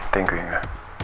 thank you inga